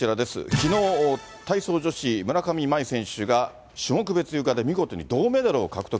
きのう、体操女子、村上茉愛選手が種目別ゆかで見事に銅メダルを獲得。